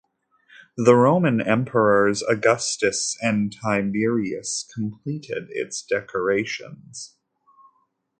The Roman emperors Augustus and Tiberius completed its decorations.